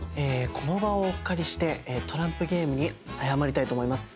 この場をお借りしてトランプゲームに謝りたいと思います。